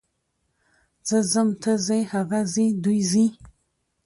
زه ځم، ته ځې، هغه ځي، دوی ځي.